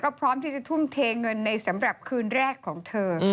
พร้อมที่จะทุ่มเทเงินในสำหรับคืนแรกของเธอ